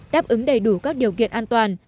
đáp ứng đầy đủ các điều kiện an toàn